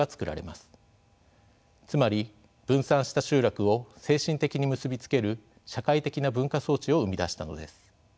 つまり分散した集落を精神的に結び付ける社会的な文化装置を生み出したのです。